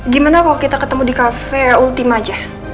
gimana kalau kita ketemu di cafe ultima aja